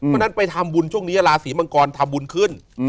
เป็นไปทำบุญช่วงนี้ลาศรีมังกรทำบุญขึ้น